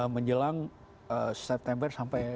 menjelang september sampai